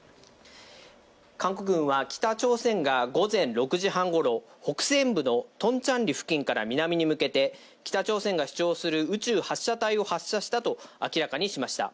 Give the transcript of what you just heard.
韓国軍は北朝鮮が午前６時半ごろ、北西部のトンチャンリ付近から南に向けて北朝鮮が主張する宇宙発射体を発射したと明らかにしました。